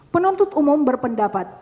penuntut umum berpendapat